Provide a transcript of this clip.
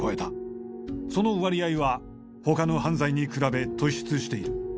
その割合は他の犯罪に比べ突出している。